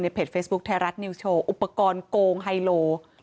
เพจเฟซบุ๊คไทยรัฐนิวโชว์อุปกรณ์โกงไฮโล